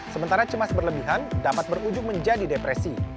sementara cemas berlebihan dapat berujung menjadi depresi